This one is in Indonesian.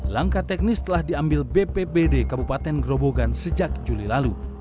langkah teknis telah diambil bpbd kabupaten grobogan sejak juli lalu